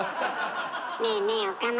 ねえねえ岡村。